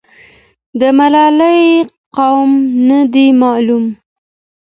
د ملالۍ قوم نه دی معلوم.